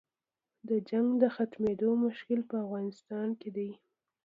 د جنګ د ختمېدلو مشکل په افغانستان کې دی.